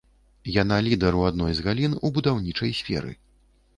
Яна лідар у адной з галін у будаўнічай сферы.